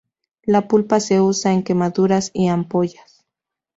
La pulpa se usa en quemaduras y ampollas.